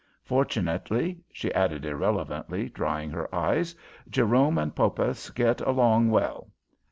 Fortunately," she added irrelevantly, drying her eyes, "Jerome and Poppas get along well."